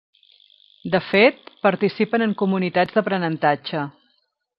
De fet, participen en comunitats d'aprenentatge.